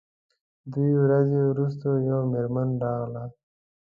دوې ورځې وروسته یوه میرمن راغله.